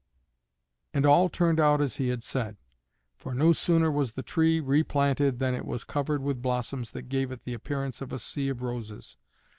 And all turned out as he had said, for no sooner was the tree replanted than it was covered with blossoms that gave it the appearance of a sea of roses.